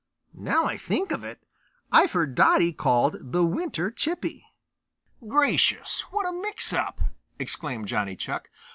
Now I think of it, I've heard Dotty called the Winter Chippy." "Gracious, what a mix up!" exclaimed Johnny Chuck.